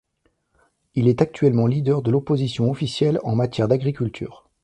Il est actuellement leader de l'opposition officielle en matière d'Agriculture.